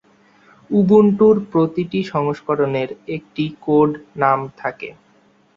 উবুন্টুর প্রতিটি সংস্করণের একটি কোড নাম থাকে।